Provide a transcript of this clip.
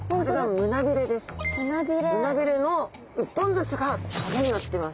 胸びれの１本ずつが棘になってます。